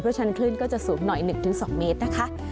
เพราะฉะนั้นคลื่นก็จะสูงหน่อย๑๒เมตรนะคะ